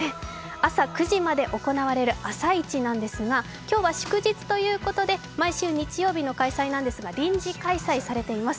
朝９時まで行われる朝市なんですが、今日は祝日ということで、毎週日曜日の開催なんですが臨時開催されています。